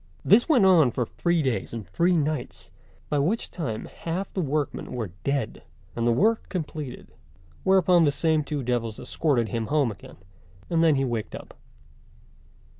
This went on for three days and three nights, by which time half the workmen were dead, and the work completed; whereupon the same two devils escorted him home again, and then he waked up.